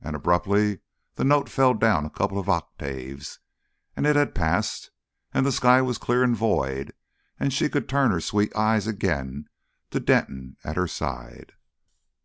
And abruptly the note fell down a couple of octaves, and it had passed, and the sky was clear and void, and she could turn her sweet eyes again to Denton at her side.